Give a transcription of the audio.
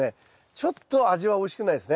ちょっと味はおいしくないですね。